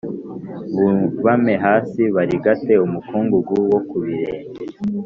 bubame hasi barigate umukungugu wo ku birenge